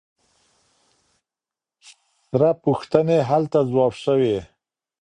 ثره پوښتنې هلته ځواب شوي.